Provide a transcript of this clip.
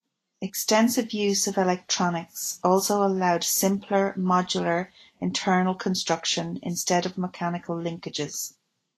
Extensive use of electronics also allowed simpler modular internal construction instead of mechanical linkages.